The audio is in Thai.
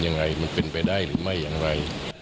อย่างไรปลุดเป็นไปได้หรือไม่อย่างไร